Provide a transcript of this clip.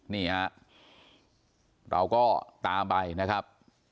นี่ฮะเราก็ตามไปนะครับ